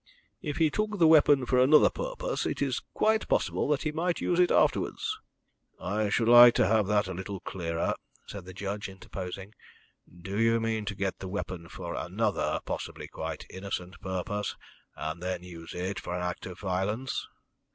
"If he took the weapon for another purpose, it is quite possible that he might use it afterwards." "I should like to have that a little clearer," said the judge, interposing. "Do you mean to get the weapon for another, possibly quite innocent purpose, and then use it for an act of violence?"